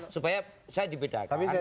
supaya saya dibedakan